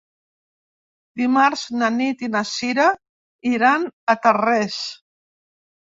Dimarts na Nit i na Sira iran a Tarrés.